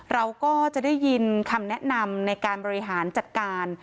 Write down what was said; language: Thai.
เราก็จะได้ยินคำแนะนำในการบริหารจัดการ